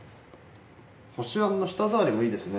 こし餡の舌触りもいいですね。